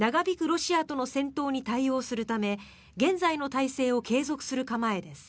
ロシアとの戦闘に対応するため現在の体制を継続する構えです。